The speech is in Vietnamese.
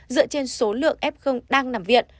dựa trên số lượng f đang nằm viện